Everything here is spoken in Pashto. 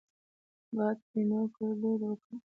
باد؛ ترينو ګړدود وګا